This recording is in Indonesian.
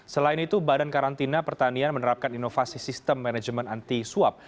selain itu badan karantina pertanian menerapkan inovasi sistem manajemen anti suap